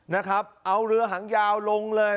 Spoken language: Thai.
นะครับเอาเรือหางยาวลงเลย